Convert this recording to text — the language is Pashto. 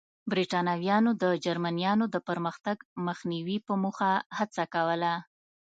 برېټانویانو د جرمنییانو د پرمختګ مخنیوي په موخه هڅه کوله.